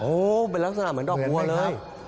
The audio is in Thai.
โอ้โหเป็นลักษณะเหมือนดอกบัวเลย